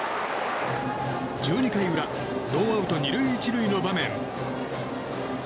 １２回裏ノーアウト２塁１塁の場面。